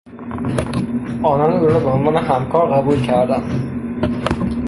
آنان او را به عنوان همکار قبول کردند.